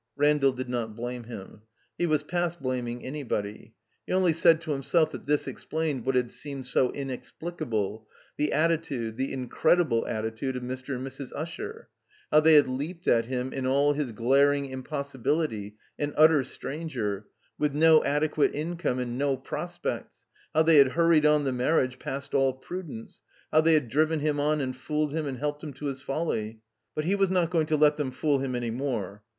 Randall did not blame him. He was past blam ing anybody. He only said to him^ elf that this explained what had seemed so inexplicable — ^the attitude, the incredible attitude of Mr. and Mra. Usher; how they had leaped at him in all his glaring impossibility, an utter stranger, with no adequate income and no prospects; how they had hturied on the marriage past all prudence; how they had driven him on and fooled him and helped him to his folly. But he was not going to let them fool him any more.